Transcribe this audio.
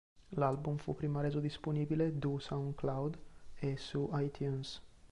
L'album fu prima reso disponibile du Soundcloud e su iTunes.